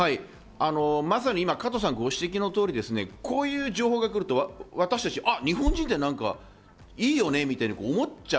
加藤さんのご指摘の通り、こういう情報が来ると、私たち日本人ってなんかいいよねみたいに思っちゃう。